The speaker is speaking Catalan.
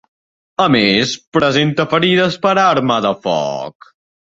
A més, presenta ferides per arma de foc.